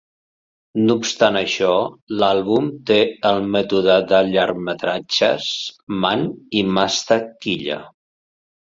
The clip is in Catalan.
No obstant això, l'àlbum té el mètode de llargmetratges Man i Masta Killa.